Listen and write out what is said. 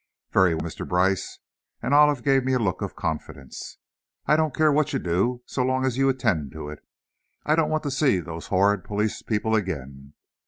"Very well, Mr. Brice," and Olive gave me a look of confidence. "I don't care what you do, so long as you attend to it. I don't want to see those horrid police people again."